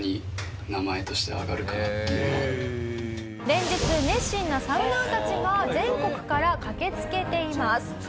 連日熱心なサウナーたちが全国から駆けつけています。